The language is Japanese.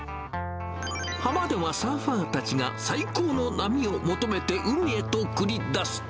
浜ではサーファーたちが、最高の波を求めて海へと繰り出す。